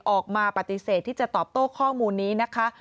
ออกมาปฏิเสธที่จะตอบโต้ข้อมูลนี้นะคะ